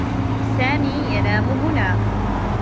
سامي ينام هنا.